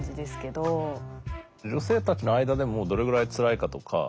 女性たちの間でもどれぐらいつらいかとか。